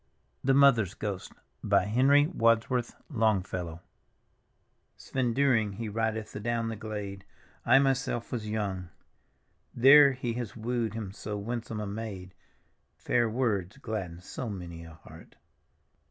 THE MOTHER'S GHOST: henry wadsworth LONGELLOW Svend Dyring he ridcth adown the glade; / myself was young. There he has wooed him so winsome a maid ; Fair words gladden so many a heart.